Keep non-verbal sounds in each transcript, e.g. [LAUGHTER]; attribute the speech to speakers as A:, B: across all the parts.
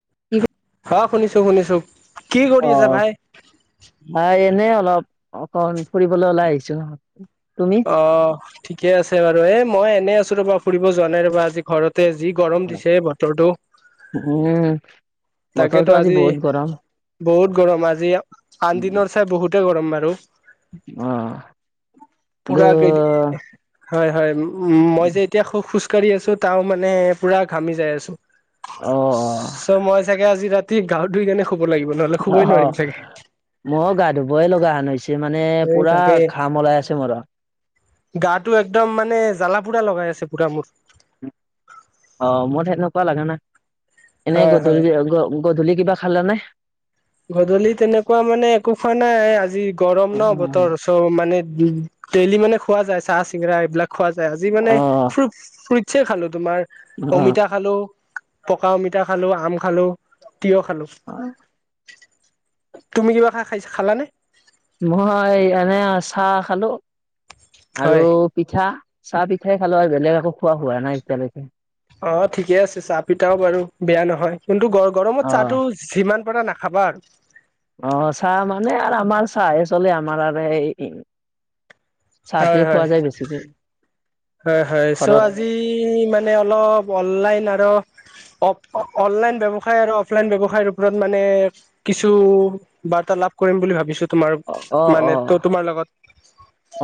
A: [UNINTELLIGIBLE]
B: অ শুনিছোঁ শুনিছোঁ।
A: অ ভাই এনে অলপ অকণ ফুৰিবলৈ ওলাই আহিছো। তুমি
B: অ ঠিকে আছে বাৰু এ মই এনেই আছো ৰ'বা ফুৰিব যোৱা নাই ৰ'বা আজি ঘৰত তেজি গৰম দিছে বতৰটো।
A: উম বতৰটো
B: তাকেতো আজি
A: বহুত গৰম
B: বহুত গৰম আজি আন দিনৰ চাই বহুতে গৰম বাৰু।
A: আহ গ
B: উ মই যে এতিয়া খ খোজকাঢ়ি আছো তাও মানে পুৰা ঘামি যাই আছো।
A: অ
B: চ' মই চাগে আজি ৰাতি গা ধুই কেনে খু
A: অ ময়ো গা ধুবই লগা হান হৈ হৈছে। মানে
B: এই
A: পুৰা
B: তাকে
A: ঘাম ওলাই আছে মোৰ।
B: গাটো একদম মানে জালা পুৰা লগাই আছে পুৰা মোৰ।
A: অ মোৰ সনেকুৱা লাগা নাই, এনে
B: হয় হয়
A: গধূলি গধূলি কিবা খালে নে?
B: গধূলি তেনেকুৱা মানে একো খোৱা নাই আজি গৰম ন বতৰ চ মানে ডেইলি মানে খোৱা যায় চাহ চিঙৰা এইবিলাক। খোৱা যায় আজি মানে
A: অ
B: ফ্ৰুট ফ্ৰুটচ খালো তোমাৰ
A: অ
B: অমিতা খালো পকা অমিতা খালো আম খালো তিয় খালো। তুমি কিবা খাই খাইছ খালানে?
A: মই এনে চাহ খালো আৰু
B: হয়
A: পিঠা। চাহ পিঠাই খালো আৰু বেলেগ আকো খোৱা হোৱা নাই এতিয়ালৈকে।
B: অ ঠিকে আছে চাহ পিঠাও বাৰু বেয়া নহয় কিন্তু গ গৰমত
A: অ
B: চাহটো যিমান পাৰা নাখ খাবা।
A: আহ চাহ মানে আৰু আমাৰ চাহ চলে আমাৰ আৰু এই,
B: আৰু হয়
A: চাহতোৱে
B: হয়
A: খোৱা যায় বেছিকে।
B: হয় হয় চ
A: ঘৰত
B: আজি মানে অলপ অনলাইন আৰু অ অনলাইন ব্যৱসায় আৰু অফলাইন ব্যৱসায়ৰ ওপৰত মানে কিছু, বাৰ্তা লাভ কৰিম বুলি ভাবিছো। তোমাৰ
A: অ অ
B: মানে
A: অ
B: ত তোমাৰ লগত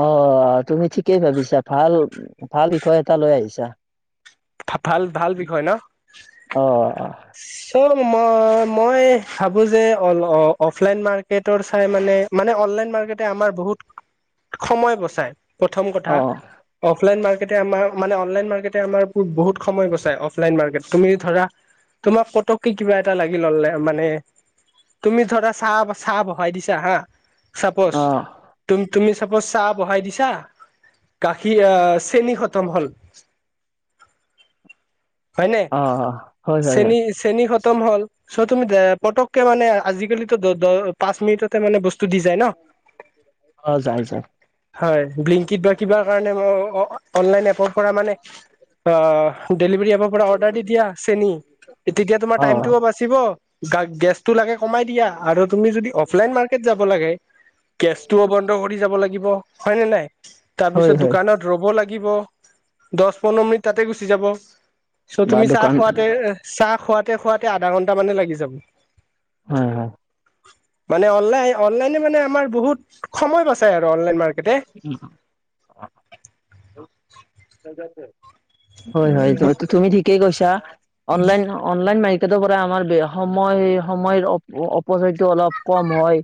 A: অ তুমি ঠিকেই ভাবিছা ভাল। উ ভাল বিষয় এটা লৈ আহিছা।
B: ভাল ভাল বিষয় ন
A: অ অ
B: চ ম মই ভাবুজে অফলাইন মাৰ্কেট অনলাইন মাৰ্কেট আচলতে আমাৰ বহুত সময় বছাই প্ৰথম কথা
A: অ
B: অফলাইন মাৰ্কেট, আমাৰ মানে অনলাইন মাৰ্কে আমাৰ বহুত সময় গচাই অফলাইন মাৰ্কেট তুমি ধৰা। তোমাক কতককে কিবা এটা লাগি ললে মানে, তুমি ধৰা চাহ চাহ বহাই দিছা হা চাপজ
A: অ
B: তুম তুমি চাপজ চাহ বহাই দিছা। গাখীৰ চেনী খতম হল।
A: অ অ।
B: চেনী চেনী সত। উম হল চ' তুমি দে পতককে মানে আজিকালি দ পাঁচ মিনিটতে মানে বস্তু দি যায় ন।
A: অ। যায় যায়
B: হয় বিলিংকিত বা কিবা কাৰণে মই অ অনলাইন এপৰ পৰা মানে অ ডেলিভাৰী এপৰ পৰা অৰ্ডাৰ দি দিয়া চেনী। তেতিয়া তোমাৰ
A: অ
B: টাইমতটোও বাচিব গ গেছটো লাগে কমাই দিয়া আৰু তুমি যদি অফলাইন মাৰ্কেট যাব লাগে কেচটোও বন্ধ কৰি যাব লাগিব হয় নে নাই।
A: হয়
B: তাৰপিছত
A: হয়
B: দোকানত ৰব লাগিব দহ পোন্ধৰ মিনিট তাতে গুচি যাব। চ
A: বা
B: তুমি চাহ
A: দোকান
B: খুৱতে চাহ খুৱতে খুৱতে আধা ঘন্টা মানে লাগি যাব।
A: হয় হয়।
B: মানে অনলাইন অনলাইনে মানে আমাৰ বহুত সময় বাছাই আৰু অনলাইন মাৰ্কেট।
A: [UNINTELLIGIBLE] হয় হয় তুমি ঠিকেই কৈছা অনলাইন অনলাইন ম। তেেৰ পৰা আমাৰ সময় সময়ৰ। উপচৰিটো অলপ কম হয়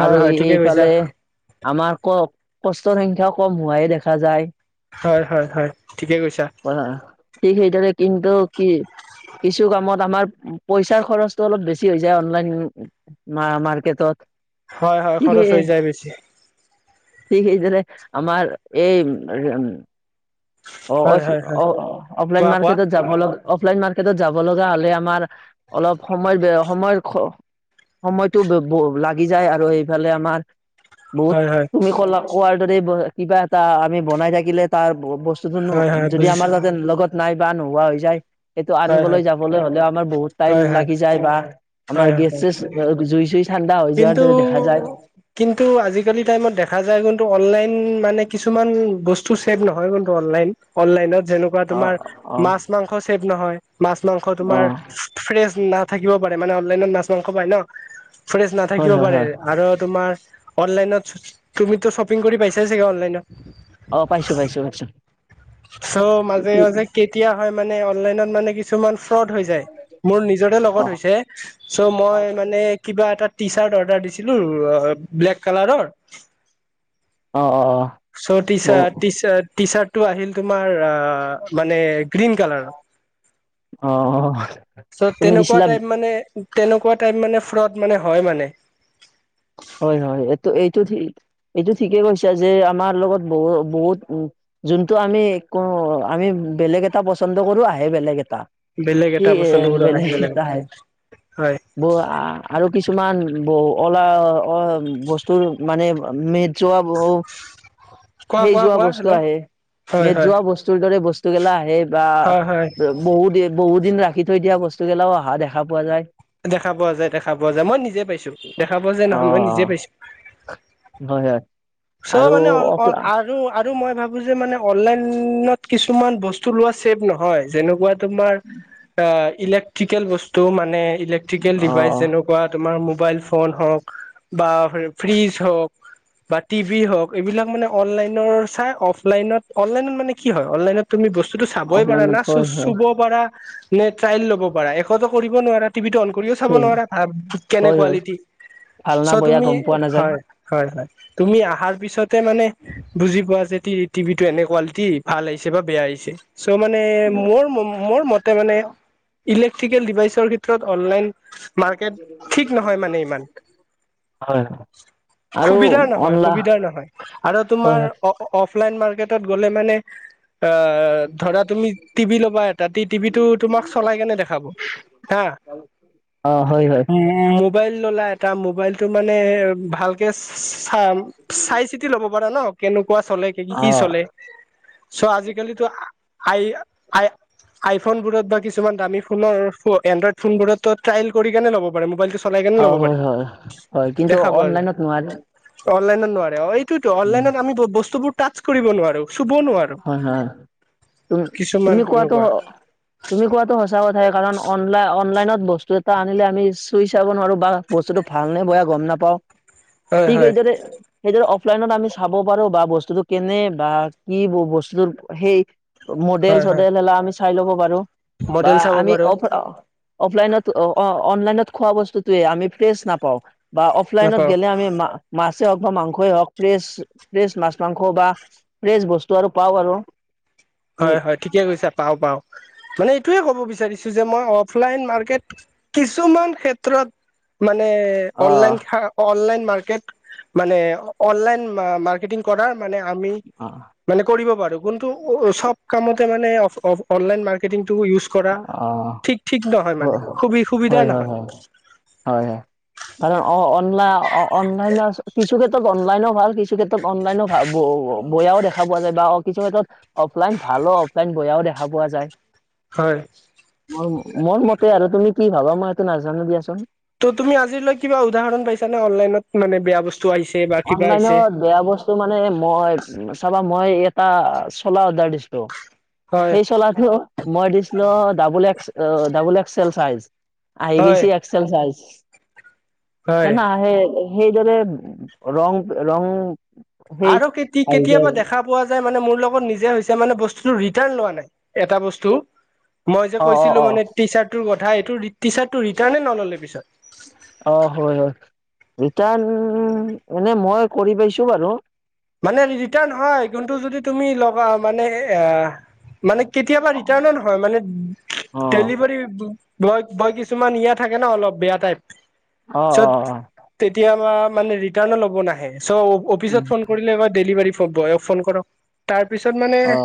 B: হয়
A: আৰু
B: হয় ঠিকে কৈছা
A: এইফালে আমাৰ কওক। কষ্টৰ সংখ্যা কম হোৱাই দেখা যায়।
B: হয় হয় হয় ঠিকে কৈছা।
A: ঠিক সেইদৰে কিন্তু কি? কিছু কামত আমাৰ পইচাৰ খৰচটো অলপ বেছি হৈ যায় অনলাইন মাৰ্কেটত।
B: হয় হয়
A: ঠিক
B: খৰচ হৈ
A: সেই
B: যায় বেছি।
A: ঠিক সেই যে আমাৰ এই উ। অ
B: হয় হয় হয়
A: অ অ অফলাইন
B: কোৱা কোৱা
A: মাৰ্কেটত যাব লগা অফলাইন মাৰ্কেটত যাব লগা হ'লে আমাৰ। অলপ সময় বেয়া। সময়ৰ সময়টো লাগি যায় আৰু এইফালে আমাৰ। বহুত
B: হয় হয়
A: তুমি কলা কোৱাৰ দৰে কিবা এটা আমি বনাই থাকিলে তাৰ।
B: হয় হয়
A: যদি আমাৰ
B: বুজিছো
A: তাতে লগত নাই বা নোহোৱা হৈ যায়। সেইটো
B: হয়
A: আনিবলৈ
B: হয়
A: যাবলৈ হ'লেও আমাৰ বহুত টাইম
B: হয় হয়
A: লাগি
B: হয়
A: যায় বা আমাৰ
B: হয়
A: গে
B: হয়
A: জু।
B: কিন্তু কিন্তু আজিকালি টাইমত দেখা যায় কিন্তু অনলাইন। [UNINTELLIGIBLE] যেনেকুৱা
A: অ
B: তোমাৰ
A: অ
B: মাছ মাংস চছেভ নহয় মাছ মাংস
A: অ
B: তোমাৰ ফ্ৰেছ। নাথাকিব পাৰে মানে অনলাইনত মাছ মাংস পায় ন ফ্ৰেছ
A: হয়
B: নাথাকিব
A: হয়
B: পাৰে
A: হয়
B: আৰু তোমাৰ। অ অননলাইনত তুমি তো চপিং কৰি পাইছাছে কা অ অননলাইনত।
A: অ পাইছো পাইছো পাইছো।
B: চ' মাজে মাজে কেতিয়া হয় মানে অনলাইনত মানে কিছুমান ফ্ৰড হৈ যায় মোৰ নিজৰে
A: অ
B: লগত হৈছে চ' মই মানে কিবা এটা টি চাৰ্ট অৰ্ডাৰ দিছিলো ব্লেক কালাৰৰ
A: অ অ
B: চটি টি চাৰট টো আহিল তোমাৰ অ মানে গ্ৰীণ কালাৰত
A: অ অ অ
B: চব
A: তুমি
B: তেনেকুৱা
A: দিছিলা
B: টাইপ মানে তেনেকুৱা টাইপ মানে ফ্ৰড মানে হয় মানে
A: হয় হয়টো এইটো এইটো ঠিকেই কৈছা যে আমাৰ লগত বহু বহুত উ যোনটো আমিো আমি বেলেগ এটা পচছন্দ কৰো আহে বেলেগ এটা
B: বেলেগ
A: কি
B: এটা বস্তু আহি
A: বেলেগ
B: এটা
A: তাই
B: হয় হয়
A: ব আৰু কিছু কিছুমান ব অলা অ বস্তুৰ মানে মেদ যোৱা ব
B: কোৱা
A: সেই
B: কোৱা
A: যোৱা
B: কোৱা
A: বস্তু
B: হেল্ল'
A: আহ
B: হয়
A: মেজ
B: হয়
A: যোৱা বস্তুৰ দৰে বস্তু গিলা আহে বা
B: হয় হয়
A: বহুত বহুত দিন ৰাখি থৈ দিয়া বস্তুগিলাও অহা দেখা পোৱা যায়।
B: দেখা পোৱা যায় দেখা পোৱা যায় মই নিজে পাইছোঁ দেখা পোৱা যায়।
A: অ
B: মই নিজে পাইছোঁ।
A: হয় হয়
B: চব
A: আৰু
B: মানে অ অ
A: অফলা
B: আৰু। আৰু মই ভাবোঁ যে মানে অনলাইনত কিছুমান বস্তু লোৱা ছেভ নহয় যেনেকুৱা। তোমাৰ এ ইলেকট্ৰিকেল বস্তু মানে ইলেকট্ৰিকেল
A: অ
B: ডিভাইচ যেনেকুৱা তোমাৰ। মোবাইল ফোন হওঁক বা ফ্ৰীজ হওঁক বা। টিভি হওক এইবিলাক মানে অনলাইনৰ চাই অফলাইনত অনলাইনত মানে কি হয় অনলাইনত তুমি বস্তু চাবই পাৰা
A: অফলাইনত
B: না
A: হয় হয়
B: চুব পাৰা নে ট্ৰাইল ল'ব পাৰা একতো কৰিব নোৱাৰা টিভি টো অন কৰিও চাব
A: সেই
B: নোৱাৰা ভাল কেনে
A: হয় হয়
B: কোৱালিটি
A: ভাল না
B: চ'
A: বয়া
B: তুমি
A: গম পোৱা নাযায়।
B: হয় হয় হয় তুমি আহাৰ পিছতে মানে বুজি পোৱা যে টিভি টো এনে কোৱালিটি ভাল আহিছে বা বেয়া আহিছে চ' মানে মোৰ মোৰ মতে মানে ইলেক্ট্ৰিকেল ডিভাইচৰ ক্ষেত্ৰত অনলাইন মাৰ্কেট ঠিক নহয় মানে ইমান
A: হয়। আৰু
B: সুবিধাৰ নহয় হয়
A: অনলা
B: সুবিধা নহয় আৰু
A: হয়
B: তোমাৰ
A: হয়
B: অফ অফলাইন মাৰ্কেটত গ'লে মানে। অ ধৰা তুমি টিভি ল'বা এটা টিভিটো তোমাক চলাই কেনে দেখাব হা।
A: অ হয় হয়।
B: মোবাইল ল'লা এটা মোবাইলটো মানে ভালকে। চাম চাই চিতি ল'ব পাৰা নহ কেনে। কুৱা চলে কি কি চলে চ' আজিকালিতো আই আই। আই ফোনবোৰত বা কিছুমান দামী ফোনৰ এণ্ড্ৰইড ফোনবোৰত ট্ৰাইল কৰি কেনে লব পৰা। মোবাইলটো চলাই কেনে
A: অ
B: ল'ব পাৰে
A: হয় হয়। হয় কিন্তু
B: দেখা পোৱা যায়।
A: অনলাইনত নোৱাৰে
B: অনলাইনত নোৱাৰে অ এইটোতো অনলাইনত আমি বস্তুবোৰ টাচ কৰিব নোৱাৰো। চুব নোৱাৰো
A: হয় হয়। তুমি
B: কিছুমান
A: তুমি কোৱাতো
B: এনেকুৱা
A: তুমি কোৱাতো সঁচা কথায়েই কাৰণ অনলাই অনলাইনত। বস্তু এটা আনিলে আমি চুই চাব নোৱাৰোঁ বা বস্তুটো ভালনে বেয়া গম নাপাওঁ।
B: হয়
A: ঠিকে
B: হয়
A: এইদৰে এইদৰ। অফলাইনত আমি চাব পাৰোঁ বা বস্তুটো কেনে বা কি বস্তু সেই। মডেল
B: হয় হয়
A: চডেল শিলা আমি চাই ল'ব পাৰোঁ বা
B: মডেল চাব
A: আমি
B: পাৰো
A: অফ। অফলাইনত অনলাইনত খোৱা বস্তুটোৱে আমি ফ্ৰেছ নাপাওঁ। বা অফলাইনত
B: নাপাও
A: গ'লে আমি। [UNINTELLIGIBLE] হওঁক বা মাংসই হক ফ্ৰেছ ফ্ৰেছ মাছ মাংস বা ফ্ৰেছ বস্তু। আৰু পাওঁ আৰু।
B: হয় হয় ঠিকে কৈছা পাওঁ পাওঁ মানে এইটোয়ে কব বিচাৰিছ। কৈছোঁ যে মই অফলাইন মাৰ্কেট কিছুমান ক্ষেত্ৰত মানে। মানে
A: অ
B: অনলাইন অনলাইন মাৰ্কেট মানে অনলাইন মাৰ্কেটিং কৰাৰ। মানে আমি
A: অ
B: মানে কৰিব পাৰোঁ কিন্তু। চব কামতে মানে off off online marketing. Use কৰা ঠিক ঠিক নহয়
A: অ
B: মানে সুবি সুবিধা
A: হয় হয়
B: নহয়।
A: হয় হয় হয় কাৰণ অ অনলাই অনলাইনত কিছু ক্ষেত্ৰত অনলাইনো ভাল কিছু ক্ষেত্ৰত। অনলাইনো বেয়াও দেখা পোৱা যায় বা কিছু ক্ষেত্ৰত। অফলাইন ভালো অফলাইন বেয়াও দেখা পোৱা যায়।
B: হয়
A: মোৰ মোৰ মতে আৰু তুমি কি ভাবা মই এইটো নাজানো দিয়াচোন।
B: ত' তুমি আজিলৈ কিবা উদাহৰণ পাইছা নে অনলাইনত মানে বেয়া বস্তু। আহিছে বা কিবা আহিছে
A: অনলাইনত বেয়া বস্তু মানে মই চাবা মই। এটা চলা অৰ্ডাৰ দিছিলোঁ
B: হয়
A: সেই চলাটো মই দিছিলোঁ ডাবল এক্স। অ ডাবল এক্স এল চাইজ আহি
B: হয়
A: গেইছে এক্স এল চাইজ।
B: হয়
A: সেনা সেই সেইদৰে ৰং ৰং। সেই
B: আৰু
A: আহিছে
B: কেতিয়াবা
A: আৰু
B: দেখা পোৱা যায় মানে মোৰ। মোৰ লগত নিজে হৈছে মানে বস্তুটো ৰিটাৰ্ণ লোৱা নাই এটা বস্তু মই যে
A: অ অ
B: কৈছিলো
A: অ
B: মানে টি চাৰ্টটোৰ কথা এইটো টি চাৰ্টো ৰিটাৰ্ণে নল'লে পিছত
A: অ হয় হয় ৰিটাৰ্ণ এনে মই কৰি পাইছো বাৰু
B: মানে ৰিটাৰ্ণ হয় কিন্তু যদি তুমি লগা মানে আ মানে কেতিয়াবা
A: অ
B: ৰিটাৰ্ণো নহয় মানে
A: অ
B: ডেলিভাৰী ব বয় কিছুমান ইয়া থাকে ন অলপ বেয়া টাইপ
A: অ অ
B: চত তেতিয়াবা মানে ৰিটাৰ্ণো ল'ব নাহে চ অফিচত
A: উম।
B: ফোন দেলিভাৰ বয়ক ফোনকৰ তাৰপিছত মানে
A: অ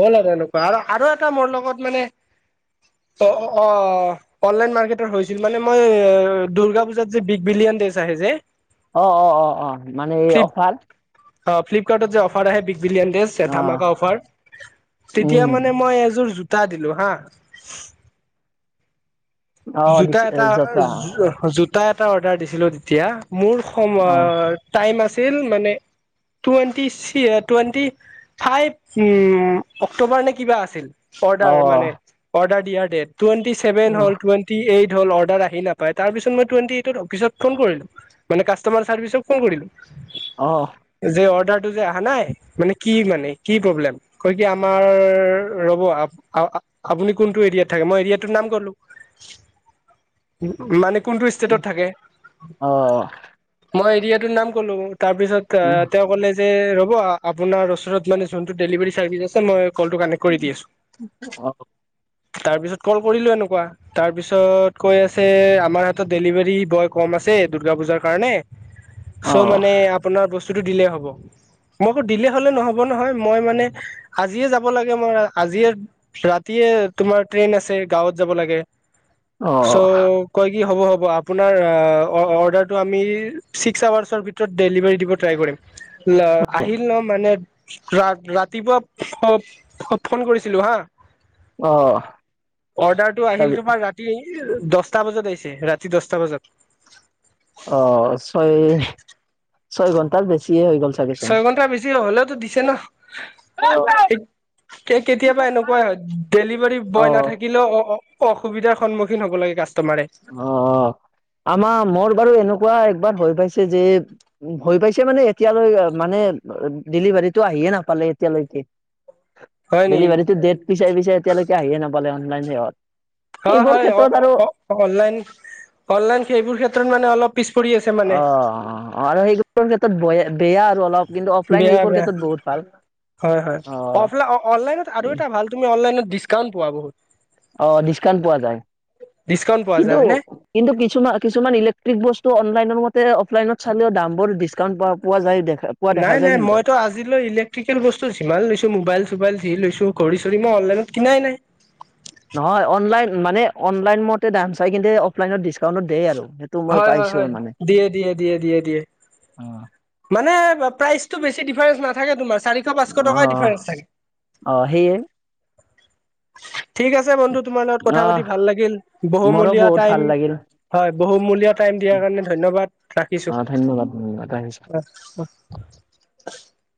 B: হ'ল আৰু আৰু আৰু এটা মোৰ লগত মানে। অ অ অনলাইন মাৰ্কেটত হৈছিল মানে মই দুৰ্গা পুজাত যে বিগ বিলি। ডেছ আহে যে।
A: অ অ অ অ মানে এই অফাৰ।
B: অ ফ্লিপকাৰ্টত যে অফাৰ আহে বিগ। বিলিয়নডেছ
A: অ
B: ধামাকা অফাৰ তেতিয়া
A: উম
B: মানে মই এযোৰ জো। টা দিলোঁ হা।
A: অ
B: জোতা
A: দিছে
B: এটা জোতা। দুটা এটা অৰ্ডাৰ দিছিলো তেতিয়া মোৰ সম টাইম আছিল মানে
A: [INAUDIBLE]
B: twenty twenty five um October নে কিবা আছিল অৰ্ডাৰ মানে অৰ্ডাৰ দিয়াৰ ডেট টুৱেণ্টি ছেভেন হ'ল টুৱেণ্টি এইট হ'ল অৰ্ডাৰ আহি নাপায় তাৰ পিছত মই টোৱেন্টি এইটত পিছত ফোন কৰিলোঁ মানে কাষ্টমাৰ চাৰ্ভিচত ফোন কৰিলোঁ যে অৰ্ডাৰ টো যে আহা নাই মানে কি, কি প্ৰব্লেম কয় কি আমাৰ ৰব আ আ আপুনি কোনটো এৰিয়াত থাকে মই এৰিয়া টোৰ নাম ক'লো
A: [INAUDIBLE]
B: মানে মই কোনটো ইষ্টেটত থাকে মই এৰিয়াতোৰ নাম কলো তাৰপিছত এ তেওঁ ক'লে যে ৰ'ব আপোনাৰ চৰত মানে যোনটো ডেলিভাৰী চাৰ্ভিচ আছে মই কলটো কানেক্ট কৰি দি আছো তাৰ পিছত কল কৰিলো এনেকুৱা তাৰ পিছত কৈ আছে আমাৰ হাতত ডেলিভাৰী বয় কম আ আছে দূৰ্গা পূজাৰ কাৰণে চ' মানে আপোনাৰ বস্তুটো দিলেই হ'ব মইকো দিলে হলে নহব নহয় মই মানে আজিয়ে যাব লাগে মই আজিয়ে ৰাতিয়ে তোমাৰ ট্ৰেইন আছে গাঁৱত যাব লাগে চ' কয় কি হ'ব হ'ব আপোনাৰ অৰ্ডাৰটো আমি ছিক্স আৱাজৰ ভিতৰত ডেলিভাৰ দিব ট্ৰাই কৰিম আহিল ন মানে ৰা ৰাতিপুৱা ফ ফোন কৰিছিলো হা
A: অ',
B: অৰ্ডাৰটো
A: তাৰ
B: আহিল তোমাৰ ৰাতি [UNINTELLIGIBLE] দছটা বজাত আহিছে ৰাতি দহটা বজাত।
A: অ, ছয়-ছয় ঘণ্টাৰ বেছি।
B: ছয় ঘন্টা বেছি হলেওতো দিছে না।
A: অ',
B: এই কেতিয়াবা এনেকুৱাই হয় ডেলিভাৰী বয় নাথাকিলেও অ, অসুবিধাৰ সন্মুখীন হ'ব লাগে কাচ
A: অ', অ', আমাৰ মোৰ বাৰু এনেকুৱা একবাৰ হৈ পাইছ ছে যে উম, হৈ পাইছে মানে এতিয়ালৈ মানে ডেলিভাৰীটো আহিয়ে নাপালে এতিয়ালৈ এ
B: হয় নেকি
A: ডেলিভাৰীটো ডেট পিচাই-পিচাই এতিয়ালৈকে আহিয়ে নাপালে অনলাইন হেহত।
B: হয়
A: এইবোৰ
B: হয়
A: ক্ষেত্ৰত আৰু
B: অনলাইন- অনলাইন সেইবোৰ ক্ষেত্ৰত মানে অলপ পিছ পৰি আছে
A: অ
B: মানে।
A: অ, আৰু সেইবোৰৰ ক্ষেত্ৰত বয়া বেয়া আৰু অলপ কিন্তু অফলাইন
B: বেয়া
A: এইবোৰ
B: বেয়া
A: ক্ষেত্ৰত বহুত ভাল।
B: হয়- হয়
A: অ
B: অফলা অনলাইনত আৰু এটা ভাল তুমি অনলাইনত ডিচকাউন্ট পোৱা বহুত।
A: অ, ডিচকাউণ্ট পোৱা যায়
B: ডিছকাউণ্ট পোৱা যায় হয়নে
A: কিন্তু-কিন্তু কিছুমান-কিছুমান ইলেক্ট্ৰিক বস্তু ত' অনলাইনৰ মতে অফলাইনত চালেও দাম বোৰ ডিছকাউণ্ট পোৱা-পোৱা যায় দেখ
B: নাই নাই মইতো আজিলৈ ইলেক্ট্ৰিকেল বস্তু যিমান লৈছো মোবাইল চবাইল যি লৈছো ত ঘড়ী চৰি মই
A: নহয় অনলাইন মানে অনলাইন মতে দাম চাই কিন্তু অফলাইনত ডিচকাউণ্টটো দেইে আৰু সেইটো মই
B: হয় হয়
A: পাইছো
B: হয়
A: মানে
B: দিয়ে দিয়ে দিয়ে দিয়ে দিয়ে
A: অ
B: মানে প্ৰাইচটো বেছি ডিফাৰেন্ঞ্চ নাথাকে তোমাৰ চাৰিশ পাঁচশ
A: অ
B: টকাৰ ডিফাৰেন্স থাকে
A: অ সেয়ে
B: ঠিক আছে বন্ধু তমাৰ লগত কথা
A: আহ
B: পাতি ভাল লাগ
A: মোৰো
B: বহুমলীয়া
A: বহুত ভাল লাগিল
B: হয় ব টাইম দিয়াৰ কাৰণে ধন্যবাদ
A: অ
B: ৰাখিছো
A: ধন্যবাদ ধন্যবাদ আহিছো
B: অ অ [UNINTELLIGIBLE]